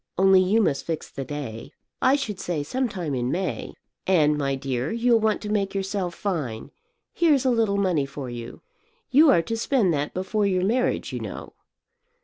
Only you must fix the day. I should say some time in May. And, my dear, you'll want to make yourself fine; here's a little money for you. You are to spend that before your marriage, you know."